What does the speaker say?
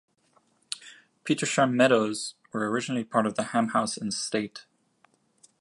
Petersham Meadows were originally part of the Ham House estate.